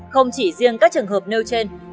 không chỉ riêng các trường hợp nêu trên